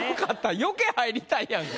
余計入りたいやんか。